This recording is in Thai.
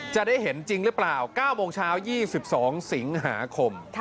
จะได้เห็นจริงหรือเปล่า๙โมงเช้า๒๒สิงหาคม